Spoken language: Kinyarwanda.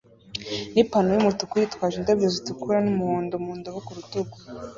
nipantaro yumutuku yitwaje indabyo zitukura numuhondo mu ndobo ku rutugu